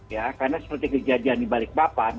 ya karena seperti kejadian di balikpapan